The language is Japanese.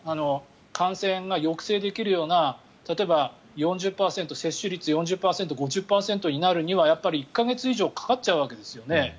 感染が抑制できるような例えば接種率４０％、５０％になるにはやっぱり１か月以上かかっちゃうわけですよね。